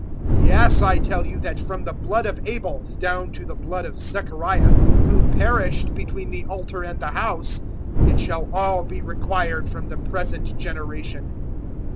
011:051 Yes, I tell you that, from the blood of Abel down to the blood of Zechariah who perished between the altar and the House, it shall all be required from the present generation.